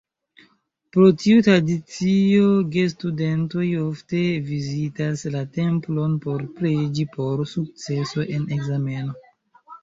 Pro tiu tradicio gestudentoj ofte vizitas la templon por preĝi por sukceso en ekzameno.